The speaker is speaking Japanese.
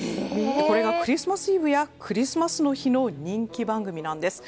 これがクリスマスイブやクリスマスの日の人気番組なんです。